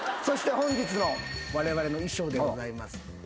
そして本日のわれわれの衣装でございます。